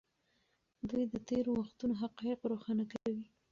دوی د تېرو وختونو حقایق روښانه کوي.